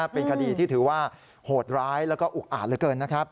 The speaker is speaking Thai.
เป็นคดีที่ถือว่าโหดร้ายแล้วก็อุกอาจเหลือเกินนะครับ